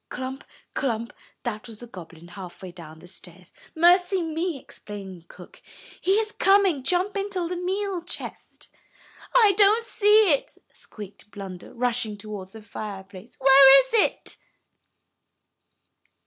Clump! clump! That was the goblin, halfway down the stairs. "Mercy me!" exclaimed cook. "He is coming. Jump into the meal chest." "I don't see it," squeaked Blunder, rushing towards the fireplace. "Where is it?"